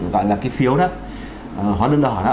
gọi là cái phiếu đó